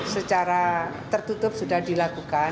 secara tertutup sudah dilakukan